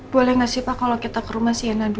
boleh nggak sih pak kalau kita ke rumah siana dulu